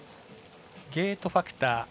ゲートファクター